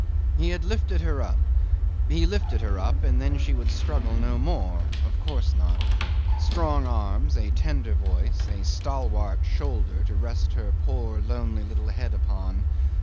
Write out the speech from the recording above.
He had lifted her up. He lifted her up, and then she would struggle no more. Of course not. Strong arms, a tender voice, a stalwart shoulder to rest her poor lonely little head upon.